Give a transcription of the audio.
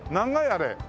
あれ。